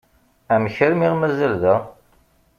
Amek armi i aɣ-mazal da?